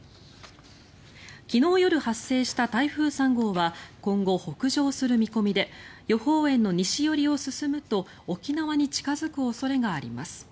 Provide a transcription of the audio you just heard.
昨日夜、発生した台風３号は今後、北上する見込みで予報円の西寄りを進むと沖縄に近付く恐れがあります。